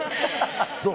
どう？